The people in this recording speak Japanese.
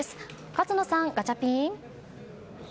勝野さん、ガチャピン！